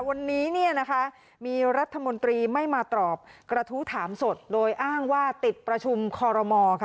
วันนี้เนี่ยนะคะมีรัฐมนตรีไม่มาตอบกระทู้ถามสดโดยอ้างว่าติดประชุมคอรมอค่ะ